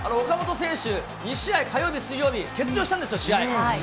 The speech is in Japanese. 岡本選手、２試合、火曜日、水曜日、欠場したんですよ、試合。